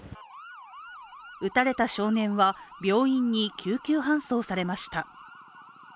撃たれた少年は病院に救急搬送されました。